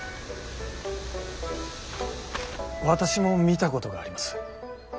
私も見たことがあります。